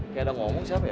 kayak ada ngomong siapa ya